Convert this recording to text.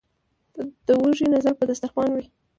ـ د وږي نظر په دستر خوان وي.